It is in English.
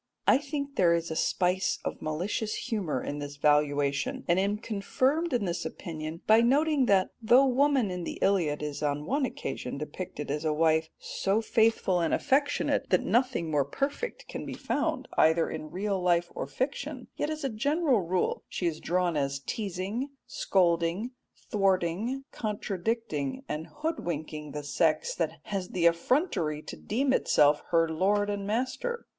I think there is a spice of malicious humour in this valuation, and am confirmed in this opinion by noting that though woman in the Iliad is on one occasion depicted as a wife so faithful and affectionate that nothing more perfect can be found either in real life or fiction, yet as a general rule she is drawn as teasing, scolding, thwarting, contradicting, and hoodwinking the sex that has the effrontery to deem itself her lord and master.